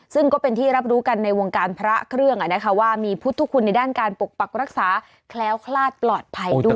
ซึ่งก็เป็นที่รับรู้กันในวงการพระเครื่องว่ามีพุทธคุณในด้านการปกปักรักษาแคล้วคลาดปลอดภัยด้วย